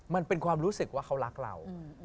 มันเป็นความรู้สึกว่าเขารักเรา